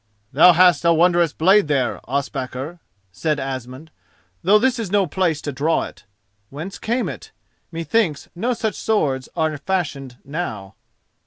"Thou hast a wondrous blade there, Ospakar!" said Asmund, "though this is no place to draw it. Whence came it? Methinks no such swords are fashioned now."